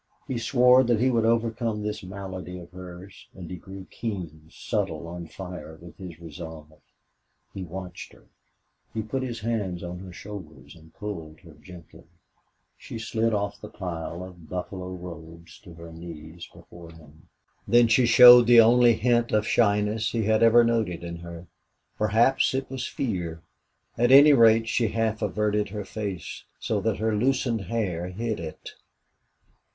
He swore that he would overcome this malady of hers, and he grew keen, subtle, on fire with his resolve. He watched her. He put his hands on her shoulders and pulled her gently. She slid off the pile of buffalo robes to her knees before him. Then she showed the only hint of shyness he had ever noted in her. Perhaps it was fear. At any rate, she half averted her face, so that her loosened hair hid it.